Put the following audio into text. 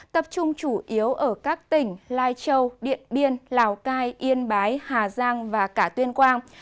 tập trung chủ yếu ở các tỉnh lai châu điện biên lào cai yên bái hà giang và cả tuyên quang